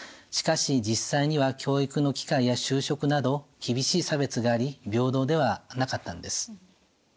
しかし実際には教育の機会や就職など厳しい差別があり平等ではなかったんです。